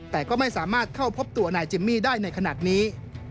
แต่ก็ไม่สามารถเข้าพบตัวนายจิมมี่ได้ในขณะนี้